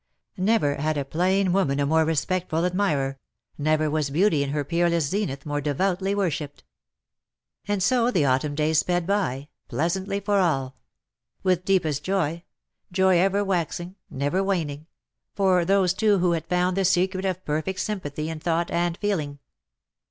Never had a plain woman a more respectful admirer — never was beauty in her peerless zenith more devoutly worshipped ! And so the autumn days sped by, pleasantly for all : with deepest joy — ^joy ever waxing, never waning — for those two who had found the secret of perfect sympathy in thought and feeling.